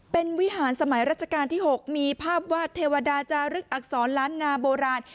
เป็นวิหารสมัยรัชกาลที่๖มีภาพวาดเทวดาจารึกอักษรล้านนาโบราณ